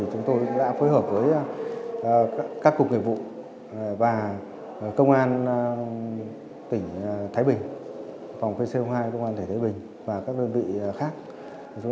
chúng tôi cũng đã phối hợp với các cục nghiệp vụ và công an tỉnh thái bình phòng pc hai công an thể thái bình và các đơn vị khác